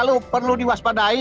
kalau perlu diwaspadai